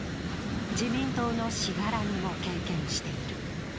自民党のしがらみも経験している。